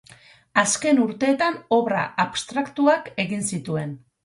Azken urteetan obra abstraktuak egin zituen.